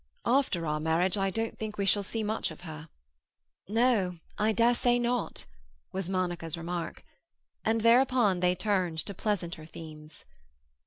After our marriage I don't think we shall see much of her—" "No, I dare say not," was Monica's remark. And thereupon they turned to pleasanter themes.